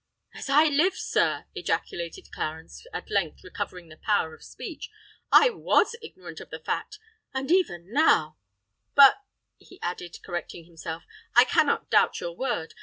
"As I live, sir," ejaculated Clarence, at length recovering the power of speech. "I was ignorant of the fact; and even now——But," he added, correcting himself, "I cannot doubt your word!